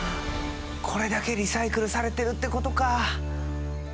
これだけリサイクルされてるってことか。